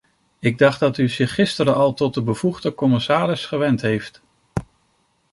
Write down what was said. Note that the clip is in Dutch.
Ik dacht dat u zich gisteren al tot de bevoegde commissaris gewend heeft.